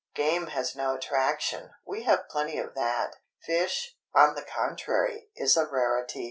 Game has no attraction—we have plenty of that. Fish, on the contrary, is a rarity.